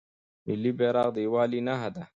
ملي بیرغ د یووالي نښه ده.